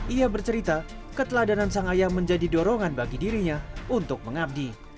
ia bercerita keteladanan sang ayah menjadi dorongan bagi dirinya untuk mengabdi